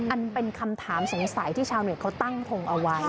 อันเป็นคำถามสงสัยที่ชาวเน็ตเขาตั้งทงเอาไว้